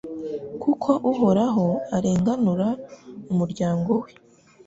kuko Uhoraho arenganura umuryango we